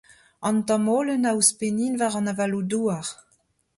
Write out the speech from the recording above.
Un tamm holen a ouzhpennin war an avaloù-douar.